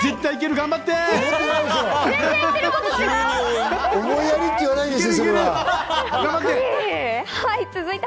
頑張って！